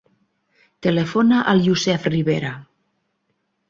Telefona al Youssef Ribera.